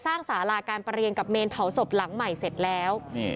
สาราการประเรียนกับเมนเผาศพหลังใหม่เสร็จแล้ว